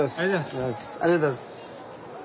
ありがとうございます。